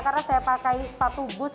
karena saya pakai sepatu bulu